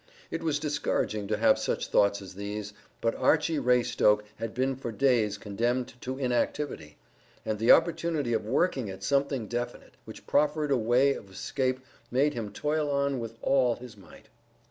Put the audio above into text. It was discouraging to have such thoughts as these, but Archy Raystoke had been for days condemned to inactivity, and the opportunity of working at something definite which proffered a way of escape made him toil on with all his his might.